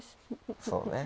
そうね。